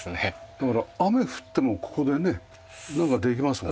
だから雨降ってもここでねなんかできますもんね。